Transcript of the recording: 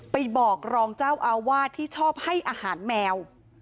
ไปบอกรองเจ้าอาวาสที่ชอบให้อาหารแมว